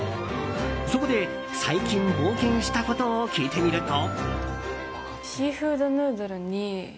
そこで最近、冒険したことを聞いてみると。